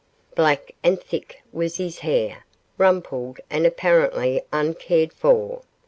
Black and thick was his hair, rumpled and apparently uncared for.